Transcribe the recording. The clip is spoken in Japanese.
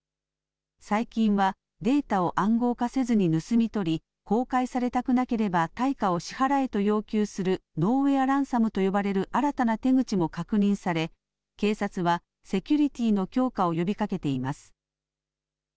最近はデータを暗号化せずに盗み取り、公開されたくなければ対価を支払えと要求するノーウェアランサムという新たな手口も確認され、警察はセキュリティーの強化を呼びかけています。